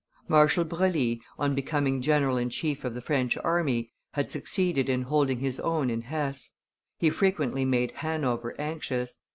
Marshal Broglie, on becoming general in chief of the French army, had succeeded in holding his own in Hesse; he frequently made Hanover anxious.